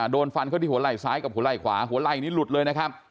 โดนฟันเขาที่หัวไหล่ซ้ายกับหัวไหล่ขวาหัวไหล่นี้หลุดเลยนะครับ